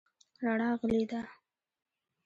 رڼا غلې ده .